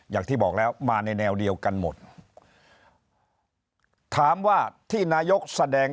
อย่างที่บอกแล้วมาในแนวเดียวกันหมดถามว่าที่นายกแสดง